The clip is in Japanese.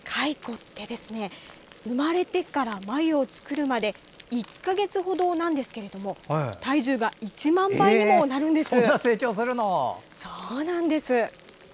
蚕って生まれてから繭を作るまで１か月ほどなんですけど体重が１万倍にもなるんですよ。